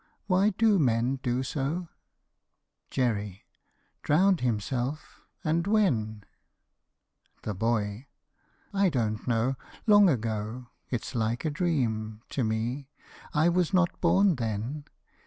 Why do men do so? JERRY. Drowned himself? And when? THE BOY. I don't know. Long ago; it's like a dream To me. I was not born then.